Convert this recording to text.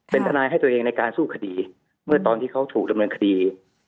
เป็นทนายให้ตัวเองในการสู้คดีเมื่อตอนที่เขาถูกดำเนินคดี